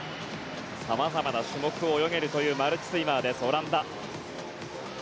様々な種目を泳げるというマルチスイマーです、オランダ。